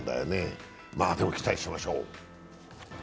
でも期待しましょう。